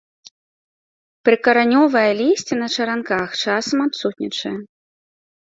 Прыкаранёвае лісце на чаранках, часам адсутнічае.